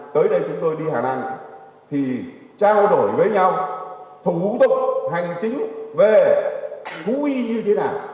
tới đây chúng tôi đi hà lan thì trao đổi với nhau thủ tục hành chính về thú y như thế nào